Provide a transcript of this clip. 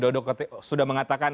dauduk sudah mengatakan